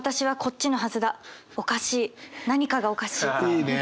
いいね。